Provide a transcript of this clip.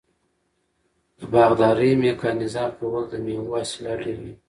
د باغدارۍ میکانیزه کول د میوو حاصلات ډیروي.